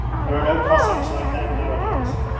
There are no Cossacks like that nowadays.